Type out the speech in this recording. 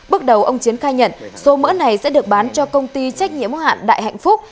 bước đầu ông chiến khai nhận số mỡ này sẽ được bán cho công ty trách nhiệm hạn đại hạnh phúc